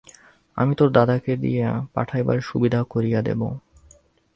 আমি তোর দাদাকে দিয়া পাঠাইবার সুবিধা করিয়া দিব।